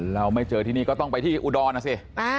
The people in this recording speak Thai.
เราไม่เจอที่นี่ก็ต้องไปที่อุดรนะสิ